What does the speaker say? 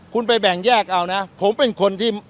คุณไปแบ่งแยกเอานะผมเป็นคนที่